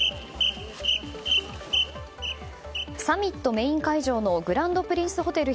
サミットのメイン会場のグランドプリンスホテル